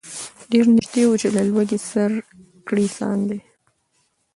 ډېر نیژدې وو چي له لوږي سر کړي ساندي